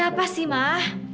ada apa sih mah